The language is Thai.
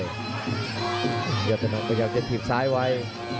กระยับกระยับกระยับกระยับถีบซ้ายไว